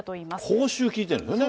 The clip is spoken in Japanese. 報酬聞いてるんですね。